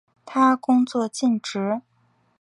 他工作尽职。